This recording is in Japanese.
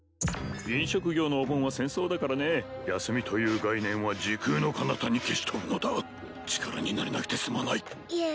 飲食業のお盆は戦争だからね休みという概念は時空のかなたに消し飛ぶのだ力になれなくてすまないいえ